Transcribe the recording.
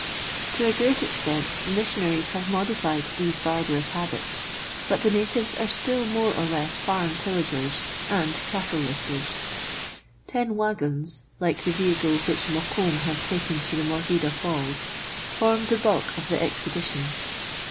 To a great extent the missionaries have modified these barbarous habits, but the natives are still more or less farm pillagers and cattle lifters. Ten waggons, like the vehicle which Mokoum had taken to the Morgheda Falls, formed the bulk of the expedition.